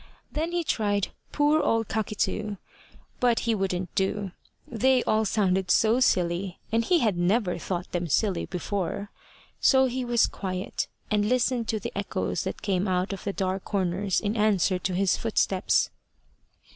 Then he tried `Poor old Cockytoo', but he wouldn't do. They all sounded so silly! and he had never thought them silly before. So he was quiet, and listened to the echoes that came out of the dark corners in answer to his footsteps.